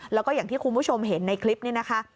แล้วก็อย่างที่คุณผู้ชมเห็นในคลิปนี้นะคะ